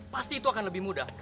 pasti itu akan lebih mudah